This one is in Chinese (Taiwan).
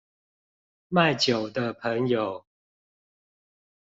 賣酒的朋友